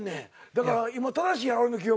だから今正しいやろ俺の記憶。